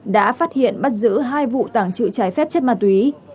đã phát hiện bắt giữ hai vụ tảng trự trái phép chất ma túy